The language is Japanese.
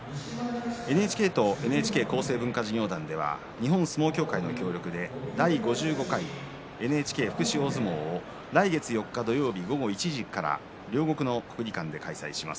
ＮＨＫとＮＨＫ厚生文化事業団では日本相撲協会の協力で第５５回ＮＨＫ福祉大相撲を来月４日土曜日午後１時から両国の国技館で開催します。